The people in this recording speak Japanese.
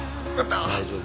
大丈夫。